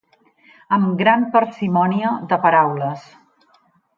Amb gran parsimònia de paraules.